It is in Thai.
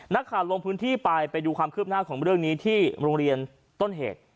ลงพื้นที่ไปไปดูความคืบหน้าของเรื่องนี้ที่โรงเรียนต้นเหตุ